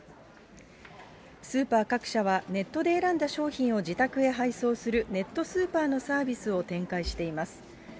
スーパー各社はネットで選んだ商品を自宅へ配送するネットスーパーのサービスを展開しています。